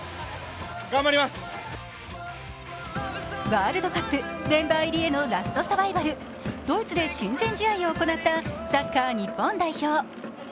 ワールドカップ、メンバー入りへのラストサバイバル、ドイツで親善試合を行ったサッカー日本代表。